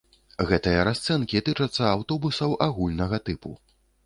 Гэтыя расцэнкі тычацца аўтобусаў агульнага тыпу.